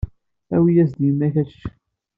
Awi-yas-d i yemma-k ad tečč.